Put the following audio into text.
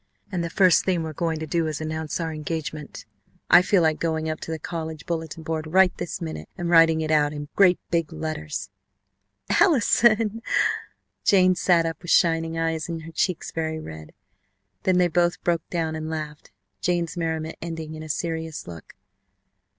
And the first thing we're going to do is to announce our engagement. I feel like going up to the college bulletin board right this minute and writing it out in great big letters!" "Allison!" Jane sat up with shining eyes and her cheeks very red. Then they both broke down and laughed, Jane's merriment ending in a serious look.